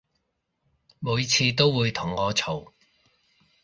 每次都會同我嘈